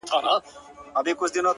دا کتاب ختم سو نور یو بل کتاب راکه